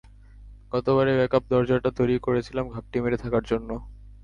গতবার এই ব্যাকআপ দরজাটা তৈরি করেছিলাম ঘাপটি মেরে থাকার জন্য।